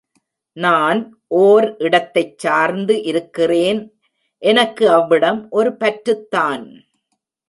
நான் ஓர் இடத்தைச் சார்ந்து இருக்கிறேன் எனக்கு அவ்விடம் ஒரு பற்றுத்தான்.